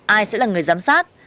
ai sẽ là người giám sát